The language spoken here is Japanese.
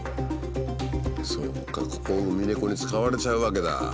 ここをウミネコに使われちゃうわけだ。